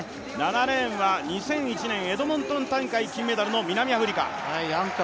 ７レーンは２００１年、エドモントン大会、金メダルの南アフリカ。